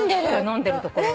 飲んでるところ。